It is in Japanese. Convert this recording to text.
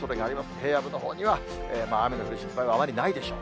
平野部のほうには雨の降る心配はあまりないでしょう。